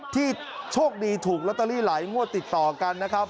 ที่โชคดีถูกลอตเตอรี่หลายงวดติดต่อกันนะครับ